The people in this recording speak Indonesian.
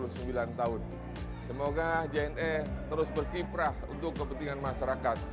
semoga jna terus berkiprah untuk kepentingan masyarakat